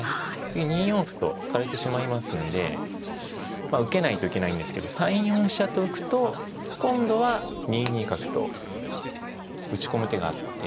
次２四歩と突かれてしまいますんで受けないといけないんですけど３四飛車と浮くと今度は２ニ角と打ち込む手があって。